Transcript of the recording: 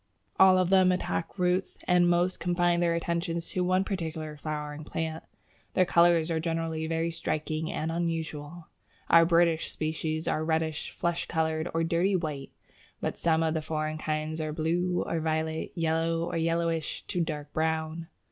All of them attack roots, and most confine their attentions to one particular flowering plant. Their colours are generally very striking and unusual. Our British species are reddish, flesh coloured, or dirty white, but some of the foreign kinds are blue or violet, yellow, or yellowish to dark brown.